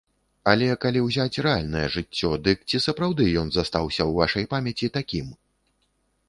Але калі ўзяць рэальнае жыццё, дык ці сапраўды ён застаўся ў вашай памяці такім?